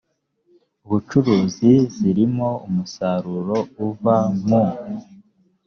ubucuruzi zirimo umusaruro uva mu